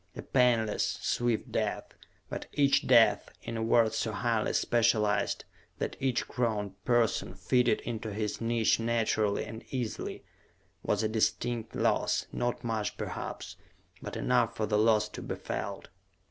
A painless, swift death but each death, in a world so highly specialized that each grown person fitted into his niche naturally and easily, was a distinct loss, not much, perhaps, but enough for the loss to be felt.